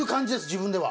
自分では。